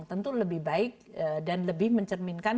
tentu lebih baik dan lebih mencerminkan